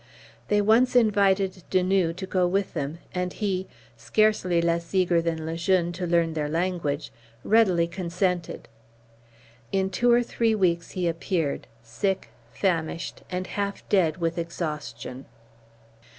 They once invited De Nouë to go with them; and he, scarcely less eager than Le Jeune to learn their language, readily consented. In two or three weeks he appeared, sick, famished, and half dead with exhaustion.